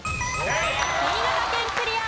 新潟県クリア。